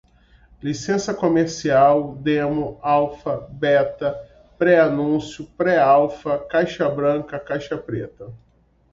licença comercial, demo, alfa, beta, pré-anúncio, pré-alfa, caixa-branca, caixa-preta